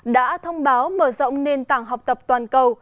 đã thông báo mở rộng nền tảng học tập toàn cầu